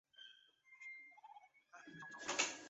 毛梗罗浮槭为槭树科枫属下的一个变种。